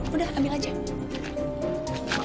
udah ambil aja